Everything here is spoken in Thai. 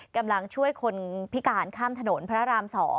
กำลังช่วยคนพิการข้ามถนนพระราม๒